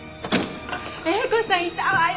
英子さんいたわよ！